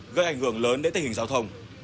gây ảnh hưởng lớn đến tình hình giao thông